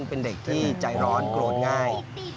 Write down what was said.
เป็นเด็กที่ใจร้อนโกรธง่าย